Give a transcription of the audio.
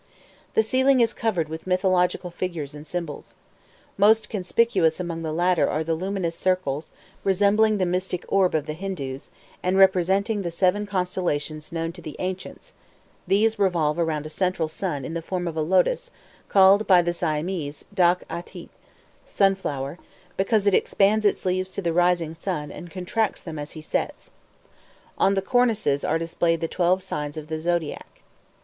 The ceiling is covered with mythological figures and symbols. Most conspicuous among the latter are the luminous circles, resembling the mystic orb of the Hindoos, and representing the seven constellations known to the ancients; these revolve round a central sun in the form of a lotos, called by the Siamese Dok Âthit (sun flower), because it expands its leaves to the rising sun and contracts them as he sets. On the cornices are displayed the twelve signs of the zodiac.